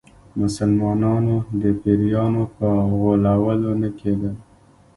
مسلمانانو د پیرانو په غولولو نه کېدل.